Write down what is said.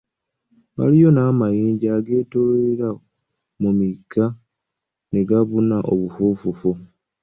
Waliwo n'amanyinja ageetooloolera mu migga ne gabuna obufoofofo.